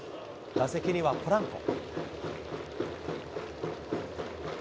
打席にはポランコ。